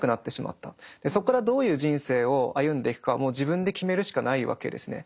そこからどういう人生を歩んでいくかはもう自分で決めるしかないわけですね。